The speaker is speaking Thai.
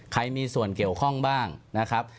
ใครมีส่วนเกี่ยวข้องบ้างนะครับ